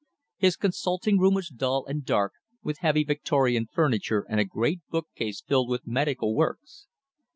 His consulting room was dull and dark, with heavy Victorian furniture and a great bookcase filled with medical works.